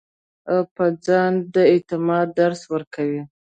او پۀ ځان د اعتماد درس ورکوي -